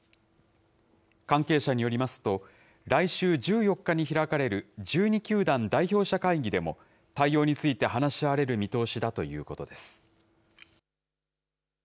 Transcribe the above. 関係者によりますと、来週１４日に開かれる１２球団代表者会議でも、対応について話し合われる見通しだということです。